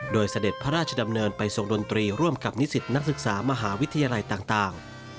โดยเสด็จพระราชดำเนินไปทรงดนตรีร่วมกับนิสิตนักศึกษามหาวิทยาลัยต่าง